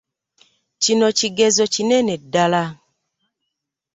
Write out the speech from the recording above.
Kino kigezo kinene ddala.